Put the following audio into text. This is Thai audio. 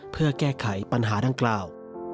เพื่อแก้ไขปัญหาดังกล่าว